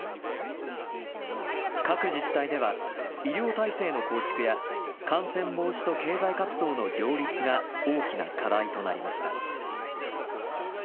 各自治体では、医療体制の構築や、感染防止と経済活動の両立が大きな課題となりました。